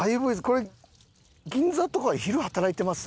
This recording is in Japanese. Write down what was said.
これ銀座とかで昼働いてます？